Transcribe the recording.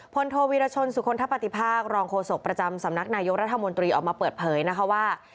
โทวีรชนสุคลทะปฏิภาครองโฆษกประจำสำนักนายกรัฐมนตรีออกมาเปิดเผยนะคะว่า